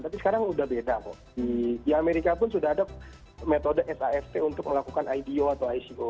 tapi sekarang sudah beda kok di amerika pun sudah ada metode saft untuk melakukan ido atau ico